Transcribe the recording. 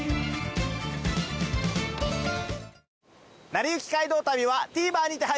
『なりゆき街道旅』はＴＶｅｒにて配信中です。